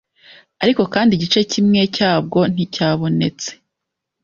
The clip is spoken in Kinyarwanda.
ariko kandi igice kimwe cyabwo nticyabonetse